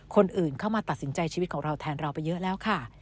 คนอื่นเข้ามาตัดสินใจชีวิตของเราแทนเราไปเยอะแล้วค่ะ